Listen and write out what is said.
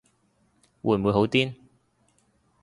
會唔會好癲